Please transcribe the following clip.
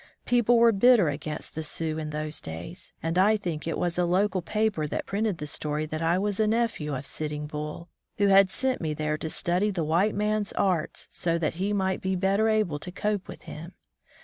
People were bitter against the Sioux in those days, and I think it was a local paper that printed the story that I was a nephew of Sitting Bull, who had sent me there to study the white man's arts so that he might be better able to cope with him.